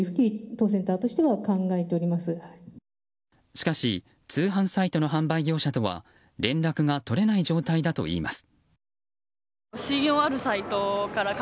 しかし通販サイトの販売業者とは連絡が取れない状態だといいます。